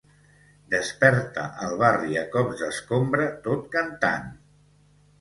Desperta el barri a cops d'escombra tot cantant